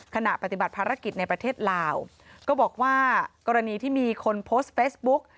ขณะปฏิบัติภารกิจในประเทศลาวก็บอกว่ากรณีที่มีคนโพสต์เฟซบุ๊ก